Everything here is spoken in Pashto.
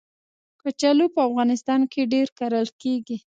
کچالو په افغانستان کې ډېر کرل کېږي